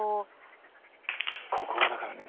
ここがだからね